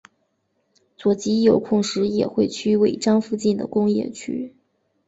佐吉有空时也会去尾张附近的工业区。